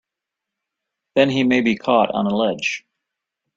Then he may be caught on a ledge!